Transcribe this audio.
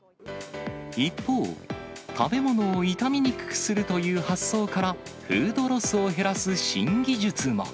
一方、食べ物を傷みにくくするという発想から、フードロスを減らす新技術も。